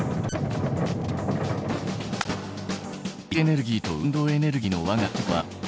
位置エネルギーと運動エネルギーの関係は？